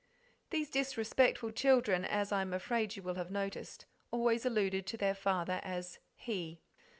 These disrespectful children, as I am afraid you will have noticed, always alluded to their father as "he."